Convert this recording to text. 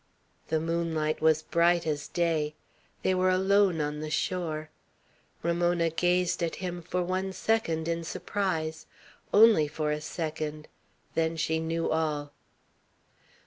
The moonlight was bright as day. They were alone on the shore. Ramona gazed at him for one second, in surprise. Only for a second; then she knew all.